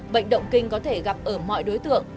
bệnh động kinh có thể gặp ở mọi đối tượng